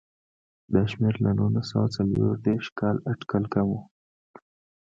دا شمېر له نولس سوه څلور دېرش کال اټکل کم و.